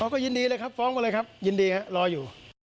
ก็ยินดีเลยครับฟ้องมาเลยครับยินดีครับรออยู่